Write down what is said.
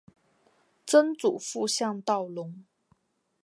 曾祖父向道隆。